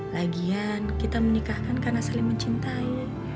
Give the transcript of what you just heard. lagian kita menikahkan karena saling mencintai